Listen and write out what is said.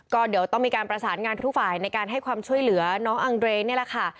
ก็เดี๋ยวต้องมีการประสานงานทุกฝ่ายในการให้ความช่วยเหลือน้องอังเรนนี่แหละค่ะ